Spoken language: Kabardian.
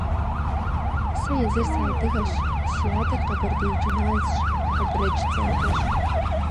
Сэ езыр сыадыгэщ, си адэр къэбэрдей джыназщ, абрэдж цӀэрыӀуэщ.